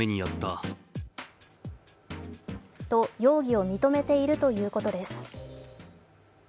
と容疑を認めているということです